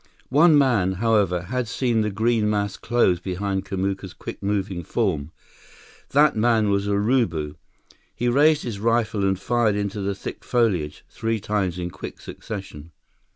One man, however, had seen the green mass close behind Kamuka's quick moving form. That man was Urubu. He raised his rifle and fired into the thick foliage, three times in quick succession.